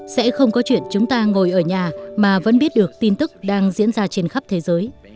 sẽ không có chuyện chúng ta ngồi ở nhà mà vẫn biết được tin tức đang diễn ra trên khắp thế giới